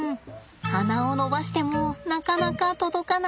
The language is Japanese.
鼻を伸ばしてもなかなか届かない。